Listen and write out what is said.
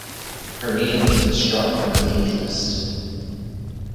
Her name was then struck from the Navy list.